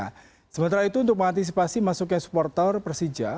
nah sementara itu untuk mengantisipasi masuknya supporter persija